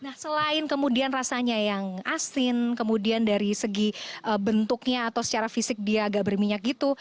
nah selain kemudian rasanya yang asin kemudian dari segi bentuknya atau secara fisik dia agak berminyak gitu